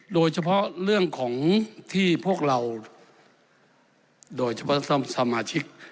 โดยเฉพาะเรื่องของที่พวกเราโดยเฉพาะสมาชิก